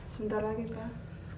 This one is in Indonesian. sebentar lagi pak